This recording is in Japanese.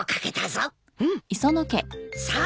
さあ